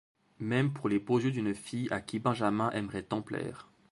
Même pour les beaux yeux d'une fille à qui Benjamin aimerait tant plaire.